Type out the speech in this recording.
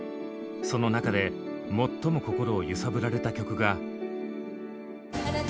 その中で最も心を揺さぶられた曲が。